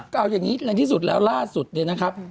ก็เอาอย่างนี้ในที่สุดแล้วล่าสุดเนี่ยนะครับ